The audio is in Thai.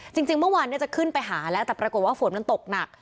จริงเมื่อวานจะขึ้นไปหาแล้วแต่ปรากฏว่าฝนมันตกหนัก